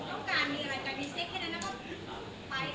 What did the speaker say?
ต้องการมีอะไรไปมีเซ็กแค่นั้นแล้วก็ไป